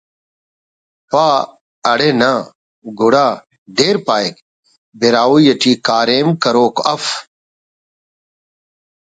…… پا…… اڑے نہ ……گڑا…… دیر پاہک براہوئی ٹی کاریم کروک ءُ اف